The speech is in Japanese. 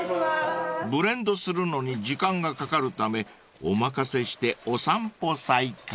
［ブレンドするのに時間がかかるためお任せしてお散歩再開］